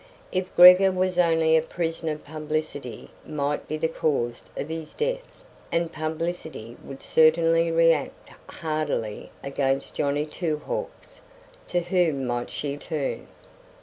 If Gregor was only a prisoner publicity might be the cause of his death; and publicity would certainly react hardily against Johnny Two Hawks. To whom might she turn?